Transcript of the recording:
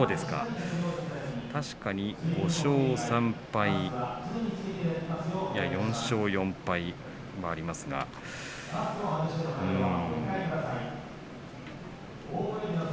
確かに５勝３敗４勝４敗もありますけれどうーん。